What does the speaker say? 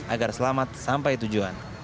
agar selamat sampai tujuan